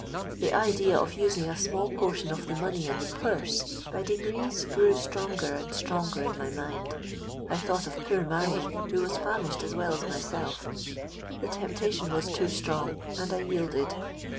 The idea of using a small portion of the money in the purse, by degrees grew stronger and stronger in my mind. I thought of poor Marion, who was famished as well as myself;—the temptation was too strong—and I yielded.